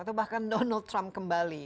atau bahkan donald trump kembali